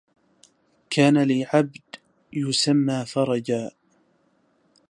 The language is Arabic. كان لي عبد يسمى فرجا